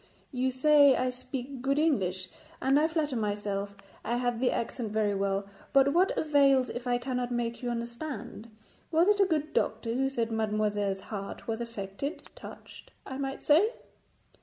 'You say I speak good English, and I flatter myself I have the accent very well, but what avails if I cannot make you understand? Was it a good doctor who said mademoiselle's heart was affected; touched, I might say?'